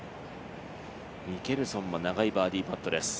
ミケルソンは長いバーディーパットです。